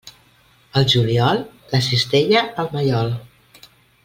Al juliol, la cistella al mallol.